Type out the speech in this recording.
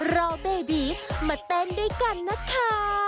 รอเบบีมาเต้นด้วยกันนะคะ